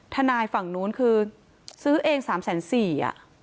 ทนายฝั่งนู้นคือซื้อเองสามแสนสี่